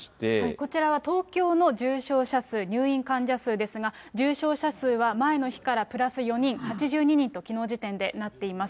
こちらは東京の重症者数、入院患者数ですが、重症者数は、前の日からプラス４人、８２人ときのう時点でなっています。